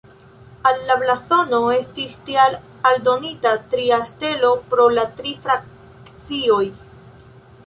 Al la blazono estis tial aldonita tria stelo por la tri frakcioj.